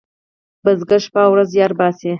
بزگر شپه او ورځ زیار باسي.